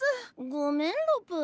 ごめんロプ。